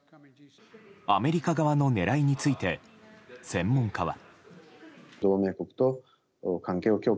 アメリカ側の狙いについて専門家は。